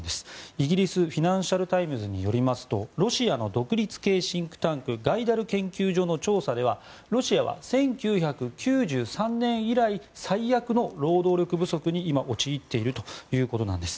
イギリスのフィナンシャル・タイムズによりますとロシアの独立系シンクタンクガイダル研究所の調査ではロシアは１９９３年以来最悪の労働力不足に今、陥っているということです。